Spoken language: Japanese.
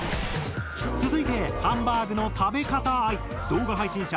続いてハンバーグの食べかた愛動画配信者